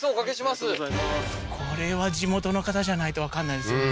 これは地元の方じゃないとわからないですよね